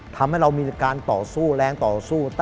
ทำให้เรามีการต่อสู้แรงต่อสู้